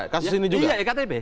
kasus ini juga ektp